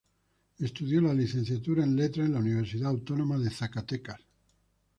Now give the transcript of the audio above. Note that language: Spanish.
Estudió la Licenciatura en Letras en la Universidad Autónoma de Zacatecas.